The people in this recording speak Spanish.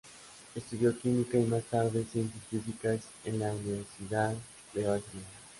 Estudió Química y más tarde Ciencias Físicas en la Universidad de Barcelona.